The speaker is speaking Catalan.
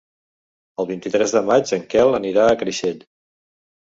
El vint-i-tres de maig en Quel anirà a Creixell.